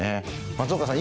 松岡さん